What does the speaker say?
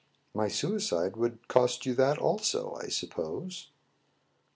"My suicide would cost you that also, I sup pose."